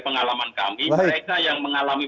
pengalaman kami mereka yang mengalami